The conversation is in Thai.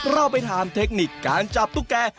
เราไปถามเทคนิคการจับตุ๊กแก่